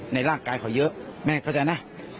ในร่างกายเขาเยอะแม่เข้าใจนะ